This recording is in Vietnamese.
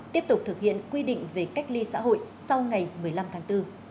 tiếp tục thực hiện quy định về cách ly xã hội sau ngày một mươi năm tháng bốn